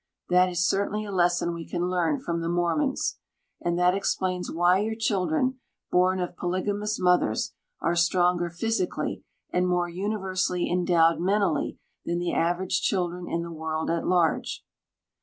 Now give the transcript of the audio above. That is certainly a lesson we can learn from the Mormons. And that explains why your children, born of polygamous mothers, are stronger physically, and more universally endowed mentally, than the average children in the world at large.